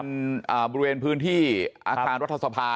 กำลังการบริเวณพื้นที่อาทารณรัฐศภา